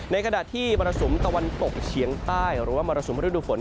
ขณะที่มรสุมตะวันตกเฉียงใต้หรือว่ามรสุมฤดูฝน